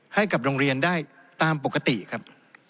ให้กับโรงเรียนได้ตามปกติครับ